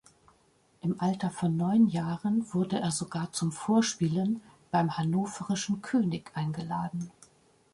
Im Alter von neun Jahren wurde er sogar zum Vorspielen beim hannoverischen König eingeladen.